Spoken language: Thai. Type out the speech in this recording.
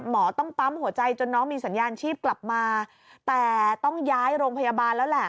หมอต้องปั๊มหัวใจจนน้องมีสัญญาณชีพกลับมาแต่ต้องย้ายโรงพยาบาลแล้วแหละ